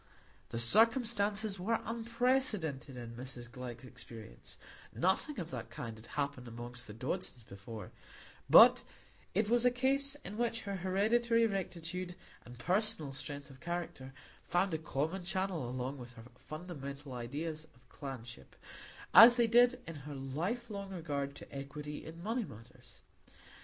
The circumstances were unprecedented in Mrs Glegg's experience; nothing of that kind had happened among the Dodsons before; but it was a case in which her hereditary rectitude and personal strength of character found a common channel along with her fundamental ideas of clanship, as they did in her lifelong regard to equity in money matters.